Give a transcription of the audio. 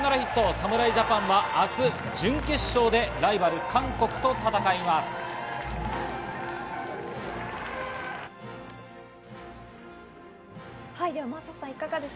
侍ジャパンは明日、準決勝でライバル韓国と戦います。